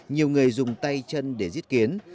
nhiều người dùng tay chân để giết kiến